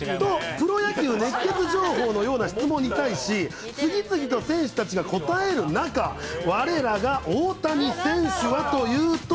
プロ野球熱ケツ情報のような質問に対し、次々と選手たちが答える中、われらが大谷選手はというと。